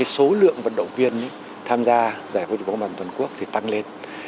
số lượng vận động viên tham gia giải vô địch bóng bàn toàn quốc tăng lên